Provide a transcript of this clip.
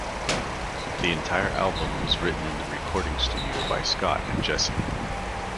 The entire album was written in the recording studio by Scott and Jesse.